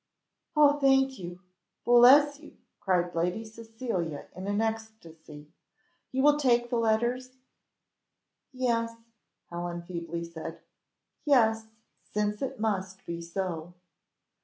"Oh thank you! bless you!" cried Lady Cecilia in an ecstasy "you will take the letters?" "Yes," Helen feebly said; "yes, since it must be so."